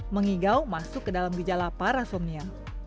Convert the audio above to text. mengigau masuk ke dalam gejala parasomnia